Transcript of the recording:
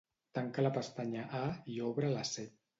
Tanca la pestanya A i obre la C.